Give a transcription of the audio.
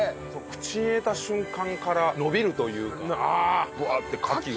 口に入れた瞬間からのびるというかぶわってカキが。